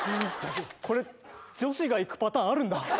これ女子がいくパターンあるんだ。